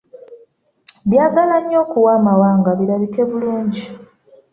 Byagala nnyo okuwa amabanga birabike bulungi.